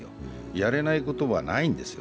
やれないことはないんですよ。